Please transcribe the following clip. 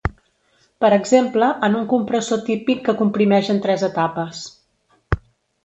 Per exemple, en un compressor típic que comprimeix en tres etapes.